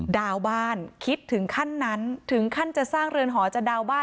ดาวบ้านคิดถึงขั้นนั้นถึงขั้นจะสร้างเรือนหอจะดาวบ้าน